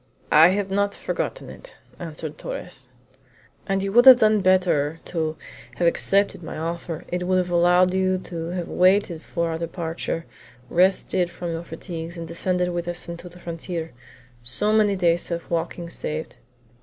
"I have not forgotten it," answered Torres. "And you would have done better to have accepted my offer; it would have allowed you to have waited for our departure, rested from you fatigues, and descended with us to the frontier; so many days of walking saved."